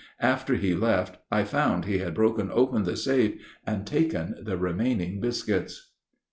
After he left I found he had broken open the safe and taken the remaining biscuits.